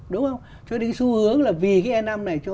đúng không cho đến xu hướng là vì cái e năm này